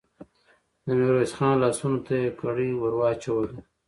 د ميرويس خان لاسونو ته يې کړۍ ور واچولې.